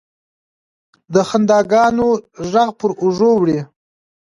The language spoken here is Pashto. د خنداګانو، ږغ پر اوږو وړي